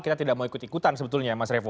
kita tidak mau ikut ikutan sebetulnya ya mas revu